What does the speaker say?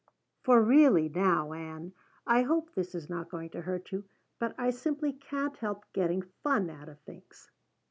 For really now, Ann, I hope this is not going to hurt you, but I simply can't help getting fun out of things.